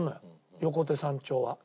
横手山頂は。